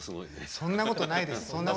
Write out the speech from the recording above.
そんな事ないです。